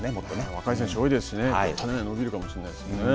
若い選手が多いですし、伸びるかもしれないですね。